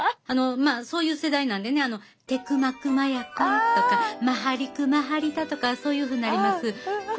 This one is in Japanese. あのまあそういう世代なんでね「テクマクマヤコン」とか「マハリクマハリタ」とかそういうふうになります。